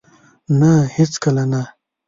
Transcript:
نه! هیڅکله نه